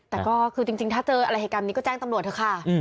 แต่ก็คือจริงถ้าเจออะไรเหตุการณ์นี้ก็แจ้งตำรวจเถอะค่ะ